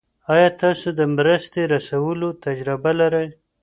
آیا تاسو د مرستې رسولو تجربه لرئ؟